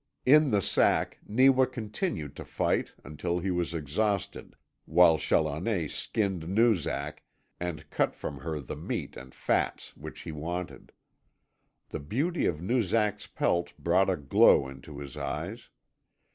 In the sack Neewa continued to fight until he was exhausted, while Challoner skinned Noozak and cut from her the meat and fats which he wanted. The beauty of Noozak's pelt brought a glow into his eyes.